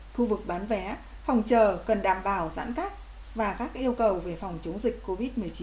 khu vực bán vé phòng chờ cần đảm bảo giãn cách và các yêu cầu về phòng chống dịch covid một mươi chín